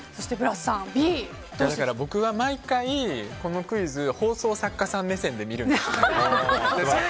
僕は毎回このクイズ、放送作家さん目線で見るんですね。